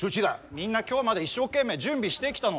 みんな今日まで一生懸命準備してきたの。